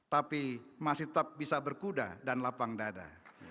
tapi masih tetap bisa berkuda dan lapang dada